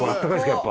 やっぱ。